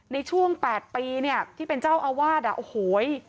ในช่วง๘ปีเนี่ยที่เป็นเจ้าอาวาสอ่ะโอ้โห